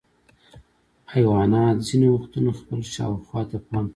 حیوانات ځینې وختونه خپل شاوخوا ته پام کوي.